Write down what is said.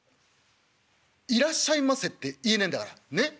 『いらっしゃいませ』って言えねえんだからねっ。